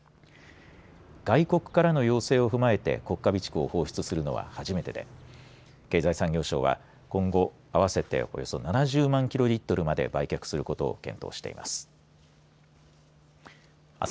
外国からの要請を踏まえて国家備蓄を放出するのは初めてで経済産業省は今後合わせておよそ７０万キロリットルまで売却することを検討しています。